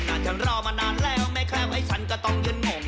นายฉันเล่ามานานแล้วแม่แคลมไอ้ฉันก็ต้องยืนห่วง